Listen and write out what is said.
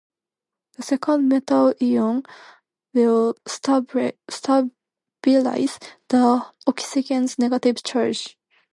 The second metal ion will stabilize the oxygen's negative charge.